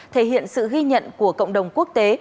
thể hiện sự ghi nhận của cộng đồng quốc tế